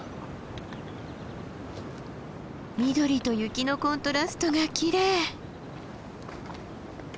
緑と雪のコントラストがきれい！